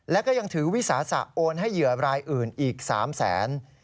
และก็ยังถือวิสาสะโอนให้เหยื่อรายอื่นอีก๓แสน